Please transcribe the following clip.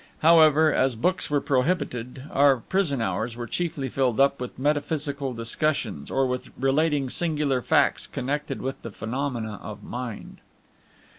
However, as books were prohibited, our prison hours were chiefly filled up with metaphysical discussions, or with relating singular facts connected with the phenomena of mind.